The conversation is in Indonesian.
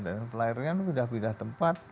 dan pelarian bedah bedah tempat